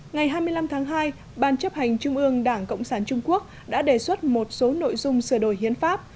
ngày hai mươi năm tháng hai ban chấp hành trung ương đảng cộng sản trung quốc đã đề xuất một số nội dung sửa đổi hiến pháp